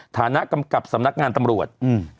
ฐานะกำกับสำนักงานตำรวจ